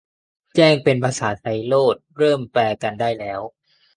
แจ้งเป็นภาษาไทยโลด เริ่มแปลกันได้แล้ว